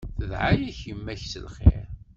Tedɛa-yak yemma-k s lxir.